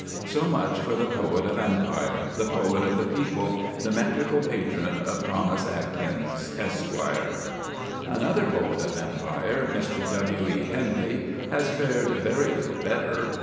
So much for the poet of empire, the poet of the people, the metrical patron of Thomas Atkins, Esq. Another poet of empire Mr. W.E. Henley has fared very little better.